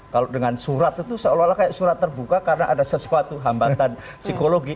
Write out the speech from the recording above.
kalau dengan surat itu seolah olah kayak surat terbuka karena ada sesuatu hambatan psikologi